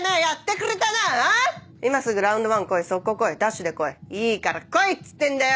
てめぇや今すぐラウンドワン来い即行来いダッいいから来いっつってんだよ！